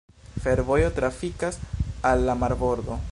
Fervojo trafikas al la marbordo.